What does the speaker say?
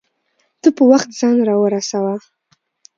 ته په وخت ځان راورسوه